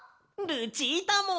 ルチータも！